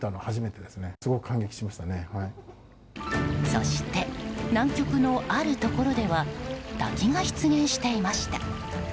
そして南極のあるところでは滝が出現していました。